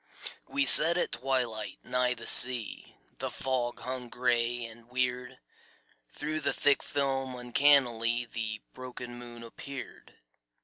We sat at twilight nigh the sea, The fog hung gray and weird. Through the thick film uncannily The broken moon appeared.